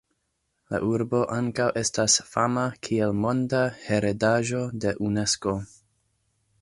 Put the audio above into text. La urbo ankaŭ estas fama kiel Monda heredaĵo de Unesko.